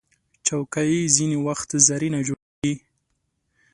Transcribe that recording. چوکۍ ځینې وخت زرینه جوړیږي.